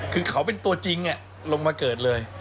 คือเขาเป็นตัวจริงลงมาเกิดเลย